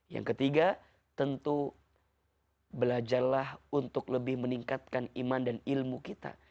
yang ketiga tentu belajarlah untuk lebih meningkatkan iman dan ilmu kita